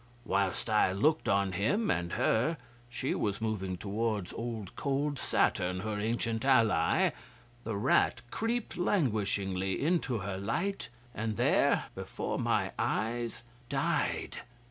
Whilst I looked on him and her she was moving towards old cold Saturn, her ancient ally the rat creeped languishingly into her light, and there, before my eyes, died.